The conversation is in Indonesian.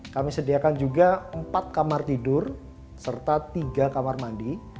kami sediakan juga empat kamar tidur serta tiga kamar mandi